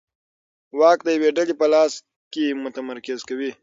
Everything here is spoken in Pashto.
واک د یوې ډلې په لاس کې متمرکز کوي